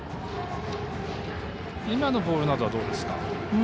今のボールなどはどうですか。